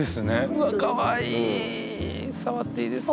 「うわっかわいい触っていいですか？」